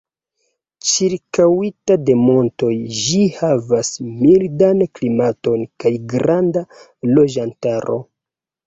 Ĉirkaŭita de montoj, ĝi havas mildan klimaton kaj granda loĝantaro.